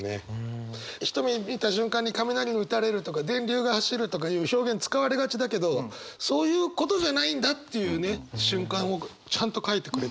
「ひと目見た瞬間に雷に打たれる」とか「電流が走る」とかいう表現使われがちだけどそういうことじゃないんだっていうね瞬間をちゃんと書いてくれてるというか。